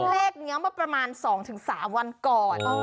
เลขนี้มาประมาณ๒๓วันก่อน